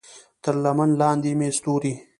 تر لمن لاندې مې ستوري